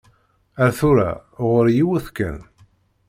Ar tura, ɣur-i yiwet kan.